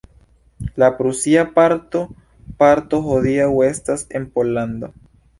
La prusia parto parto hodiaŭ estas en Pollando.